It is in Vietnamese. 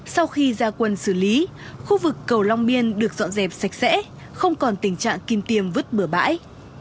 sau khi ra quân xử lý khu vực cầu long biên được dọn dẹp sạch sẽ không còn tình trạng kim tiêm vứt bửa bãi